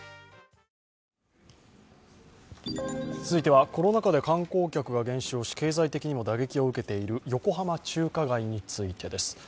続いてはコロナ禍で観光客が減少し経済的にも打撃を受けている横浜中華街についてです。